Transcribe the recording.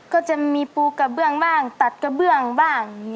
ก็จะมีปูกระเบื้องบ้างตัดกระเบื้องบ้าง